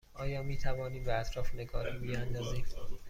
آیا می توانیم به اطراف نگاهی بیاندازیم؟